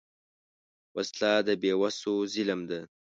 وسله د بېوسو ظلم ده